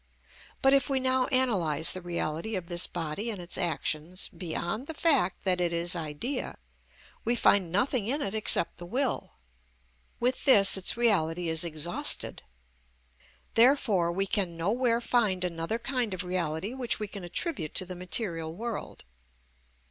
But if we now analyse the reality of this body and its actions, beyond the fact that it is idea, we find nothing in it except the will; with this its reality is exhausted. Therefore we can nowhere find another kind of reality which we can attribute to the material world.